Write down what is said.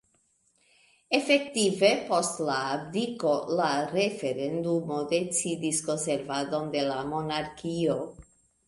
Efektive post la abdiko la referendumo decidis konservadon de la monarkio.